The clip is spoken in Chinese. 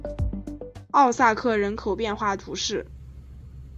奥萨克人口变化图示